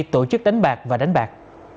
tổ chức đánh bạc và đánh bạc